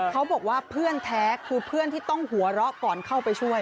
เขาบอกว่าเพื่อนแท้คือเพื่อนที่ต้องหัวเราะก่อนเข้าไปช่วย